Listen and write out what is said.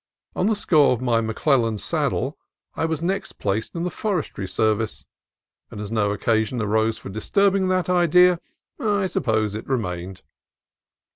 On the score of my McClel lan saddle I was next placed in the Forestry Service, and as no occasion arose for disturbing that idea I suppose it remained.